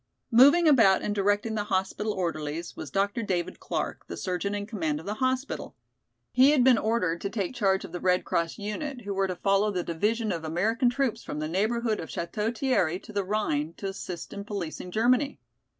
Moving about and directing the hospital orderlies was Dr. David Clark, the surgeon in command of the hospital. He had been ordered to take charge of the Red Cross unit, who were to follow the division of American troops from the neighborhood of Château Thierry to the Rhine to assist in policing Germany.